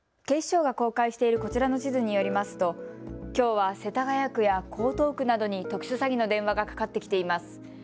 警視庁が公開しているこちらの地図によりますときょうは世田谷区や江東区などに特殊詐欺の電話がかかってきています。